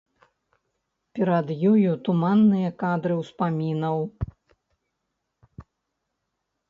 Перад ёю туманныя кадры ўспамінаў.